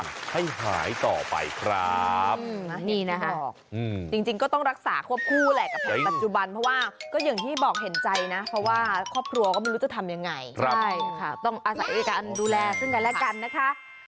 ให้หายต่อไปครับนี่นะคะจริงก็ต้องรักษาควบคู่แหละกับแผนปัจจุบันเพราะว่าก็อย่างที่บอกเห็นใจนะเพราะว่าครอบครัวก็ไม่รู้จะทำยังไงใช่ค่ะต้องอาศัยการดูแลซึ่งกันและกันนะคะ